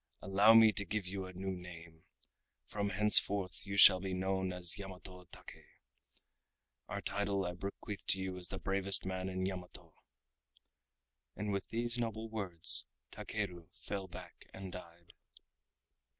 Allow me to give you a new name. From henceforth you shall be known as Yamato Take. Our title I bequeath to you as the bravest man in Yamato." And with these noble words, Takeru fell back and died.